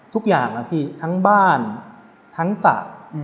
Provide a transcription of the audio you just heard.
ทุกอย่างนะพี่ทั้งบ้านทั้งสระ